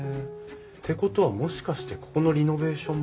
ってことはもしかしてここのリノベーションも？